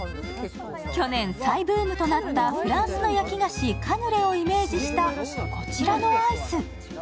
去年、再ブームとなったフランスの焼き菓子、カヌレをイメージしたこちらのアイス。